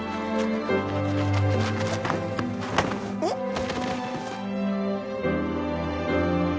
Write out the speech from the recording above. えっ